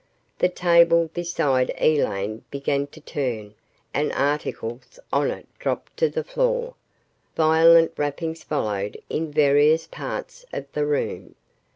The table beside Elaine began to turn and articles on it dropped to the floor. Violent rappings followed in various parts of the room.